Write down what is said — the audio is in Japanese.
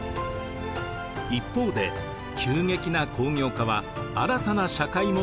一方で急激な工業化は新たな社会問題も生み出しました。